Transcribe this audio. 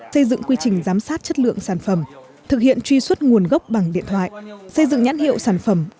xây dựng quy trình giám sát chất lượng sản phẩm thực hiện truy xuất nguồn gốc bằng điện thoại xây dựng nhãn hiệu sản phẩm